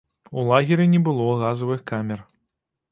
У лагеры не было газавых камер.